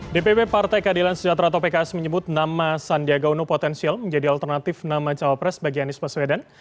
dpp partai keadilan sejahtera atau pks menyebut nama sandiaga uno potensial menjadi alternatif nama cawapres bagi anies baswedan